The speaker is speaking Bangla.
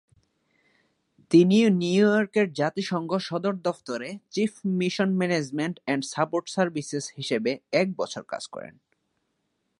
তিনি নিউ ইয়র্কের জাতিসংঘ সদর দফতরে ‘chief mission management and support services’ হিসেবে এক বছর কাজ করেন।